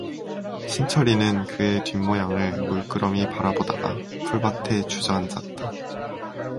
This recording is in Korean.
신철이는 그의 뒷모양을 물끄러미 바라보다가 풀밭에 주저앉았다.